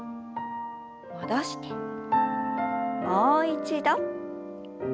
戻してもう一度。